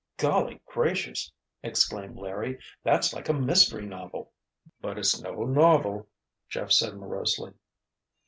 "Golly gracious!" exclaimed Larry, "that's like a mystery novel!" "But it's no novel!" Jeff said morosely.